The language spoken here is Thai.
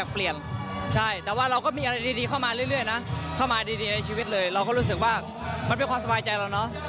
เข้ามาดีในชีวิตเลยเราก็รู้สึกว่ามันเป็นความสบายใจเราเนาะ